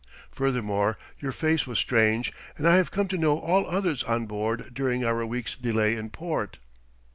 Furthermore, your face was strange, and I have come to know all others on board during our week's delay in port."